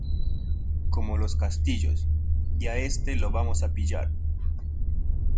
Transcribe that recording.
como los castillos. y a este lo vamos a pillar .